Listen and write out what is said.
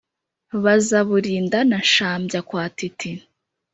Baza Burinda, na Nshambya kwa Titi;